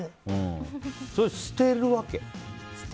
それ、捨てるわけ？